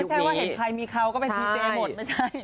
แค่ว่าเห็นใครมีเขาก็เป็นดีเจหมดไม่ใช่